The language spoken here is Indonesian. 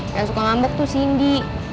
yang suka ngambek tuh cindy